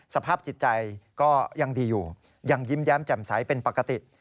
สภาพจิตใจก็ยังดีอยู่ยังยิ้มแย้มแจ่มใสเป็นปกติ